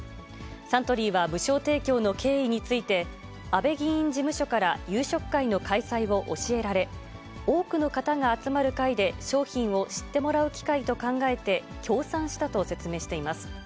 サントリーは無償提供の経緯について、安倍議員事務所から夕食会の開催を教えられ、多くの方が集まる会で商品を知ってもらう機会と考えて、協賛したと説明しています。